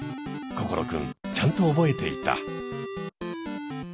心くんちゃんと覚えていた。